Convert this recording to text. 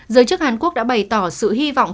giới chức hàn quốc đã bày tỏ sự hy vọng